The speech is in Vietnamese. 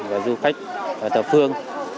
và du khách thập phương